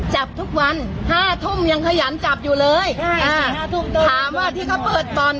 จับทุกวันห้าทุ่มยังขยันจับอยู่เลยห้าทุ่มถามว่าที่เขาเปิดบ่อน